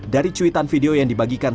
dari cuitan video yang dibagikan